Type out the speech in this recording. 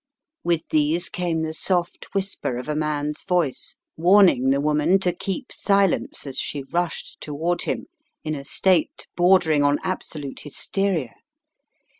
With these came the soft whisper of a man's voice warning the woman to keep silence as she rushed toward him, in a state bordering on absolute hysteria.